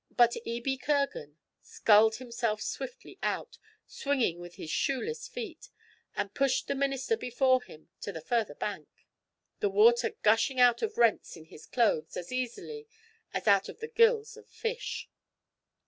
But Ebie Kirgan sculled himself swiftly out, swimming with his shoeless feet, and pushed the minister before him to the further bank the water gushing out of rents in his clothes as easily as out of the gills of a fish.